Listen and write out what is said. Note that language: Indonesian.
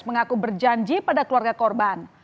mengaku berjanji pada keluarga korban